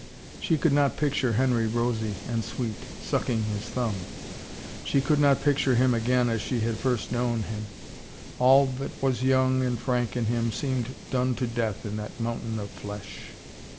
She could not picture Henry rosy and sweet, sucking his thumb. ... She could not picture him again as she had first known him. All that was young and frank in him seemed done to death in that mountain of flesh.